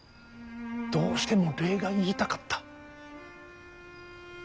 どうしても礼が言いたかった。